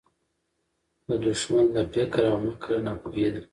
د دښمن له فکر او مِکره ناپوهي ده